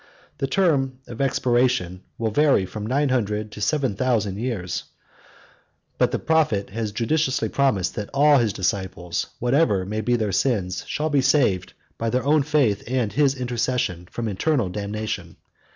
The term of expiation will vary from nine hundred to seven thousand years; but the prophet has judiciously promised, that all his disciples, whatever may be their sins, shall be saved, by their own faith and his intercession from eternal damnation.